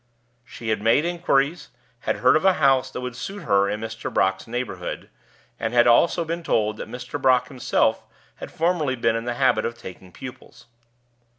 She had made inquiries, had heard of a house that would suit her in Mr. Brock's neighborhood, and had also been told that Mr. Brock himself had formerly been in the habit of taking pupils.